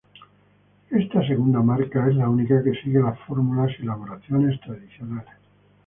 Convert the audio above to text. Esta segunda marca es la única que sigue las fórmulas y elaboraciones tradicionales.